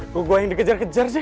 kok gue yang dikejar kejar sih